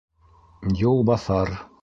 Юлбаҫар...